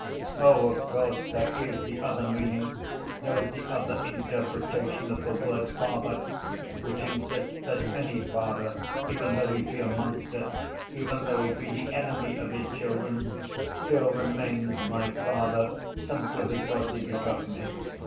"Oh, of course, there is the other meaning, there is the other interpretation of the word 'father,' which insists that any father, even though he be a monster, even though he be the enemy of his children, still remains my father simply because he begot me.